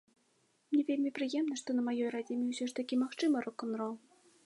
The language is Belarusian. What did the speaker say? Мне вельмі прыемна, што на маёй радзіме ўсё ж такі магчымы рок-н-рол.